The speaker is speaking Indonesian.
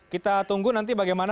kita tunggu nanti bagaimana